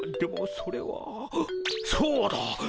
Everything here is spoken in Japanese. そうだ。